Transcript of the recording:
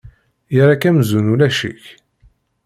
Yerra-k amzun ulac-ik.